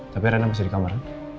tapi renang masih di kamar